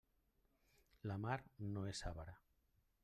La mar no és avara.